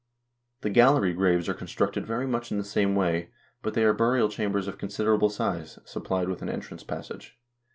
The gallery graves are constructed very much in the same way, but they are burial chambers of considerable size, supplied with an entrance passage.